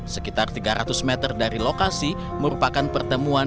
sekitar tiga ratus meter dari lokasi merupakan pertemuan